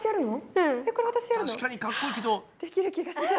確かにかっこいいけど。